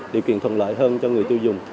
điều kiện thuận lợi hơn cho người tiêu dùng